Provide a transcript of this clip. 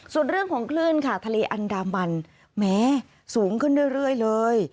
ส่วนเรื่องของคลื่นค่ะทะเลอันดามันแม้สูงขึ้นเรื่อยเลย